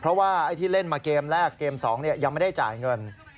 เพราะว่าไอ้ที่เล่นมาเกมแรกเกม๒ยังไม่ได้จ่ายเงิน